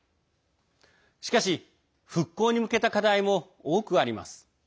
しかし、復興に向けた課題も多くあります。